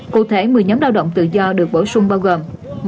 cụ thể một mươi nhóm lao động tự do được bổ sung bao gồm